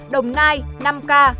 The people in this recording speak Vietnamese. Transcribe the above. đồng nai năm ca